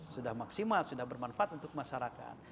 sudah maksimal sudah bermanfaat untuk masyarakat